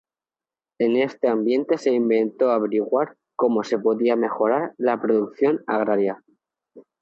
En este ambiente se intentó averiguar cómo se podía mejorar la producción agraria.